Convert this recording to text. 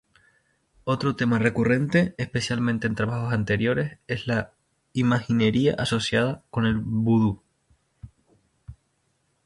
Otro tema recurrente, especialmente en trabajos anteriores, es la imaginería asociada con el vudú.